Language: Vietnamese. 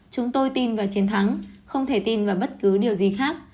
chúng tôi tin vào chiến thắng không thể tin vào bất cứ điều gì khác